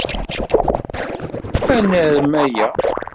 Ad narem aya.